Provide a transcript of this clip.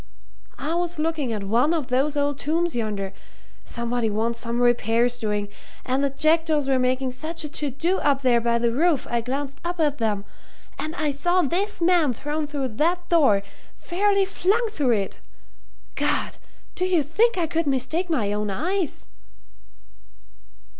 "I was looking at one of those old tombs yonder somebody wants some repairs doing and the jackdaws were making such a to do up there by the roof I glanced up at them. And I saw this man thrown through that door fairly flung through it! God! do you think I could mistake my own eyes?"